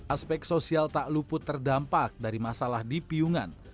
aspek sosial tak luput terdampak dari masalah di piungan